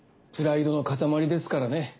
プライドの塊ですからね